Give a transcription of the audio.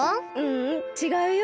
ううんちがうよ。